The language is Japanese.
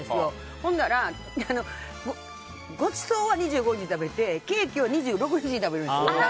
ほんならごちそうは２５日に食べてケーキを２６日に食べるんです。